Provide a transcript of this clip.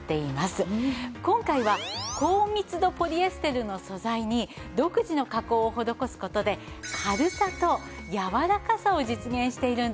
今回は高密度ポリエステルの素材に独自の加工を施す事で軽さと柔らかさを実現しているんです。